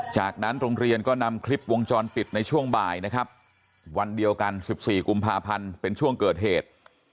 จากนั้นโรงเรียนก็นำคลิปวงจรปิดในช่วงบ่ายนะครับวันเดียวกัน๑๔กุมภาพันธ์เป็นช่วงเกิดเหตุ